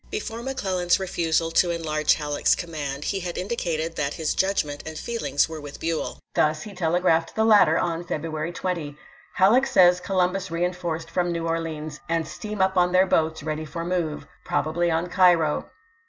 Before McClellan's refusal to enlarge Halleck's command he had indicated that his judgment and feelings were with Buell. Thus he telegraphed the latter on February 20: "Halleck says Columbus reenforced from New Orleans, and steam up on their boats ready for move — probably on Cairo.